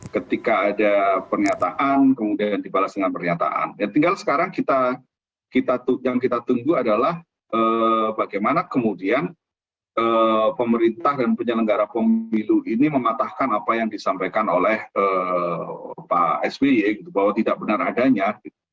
ketika ada pernyataan kemudian dibalas dengan pernyataan tinggal sekarang yang kita tunggu adalah bagaimana kemudian pemerintah dan penyelenggara pemilu ini mematahkan apa yang disampaikan oleh pak sby gitu bahwa tidak benar adanya